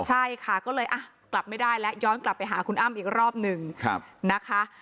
ใช่ค่ะก็เลยกลับไม่ได้แล้วย้อนกลับไปหาคุณอ้ำอีกรอบหนึ่งนะคะ